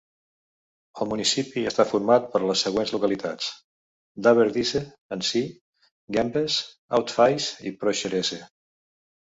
El municipi està format per les següents localitats: Daverdisse en si, Gembes, Haut-Fays i Porcheresse.